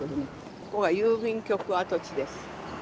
ここは郵便局跡地です。